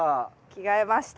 着替えました。